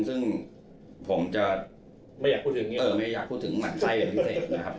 ซึ่งผมจะไม่อยากพูดถึงมันไส้เป็นพิเศษนะครับ